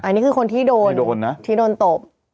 อันนี้คือคนที่โดนโดนนะที่โดนตบ